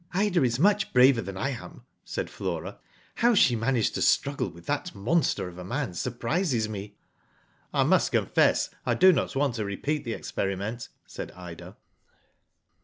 "Ida is much braver than I am," said Flora. "How she managed to struggle with that monster of a man surprises me." "I must confess I do not want to repeat the experiment," said Ida.